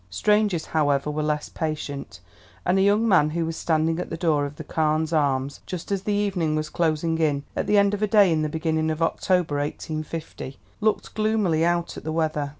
Strangers, however, were less patient, and a young man who was standing at the door of the "Carne's Arms," just as the evening was closing in at the end of a day in the beginning of October, 1850, looked gloomily out at the weather.